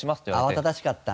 慌ただしかったんだ。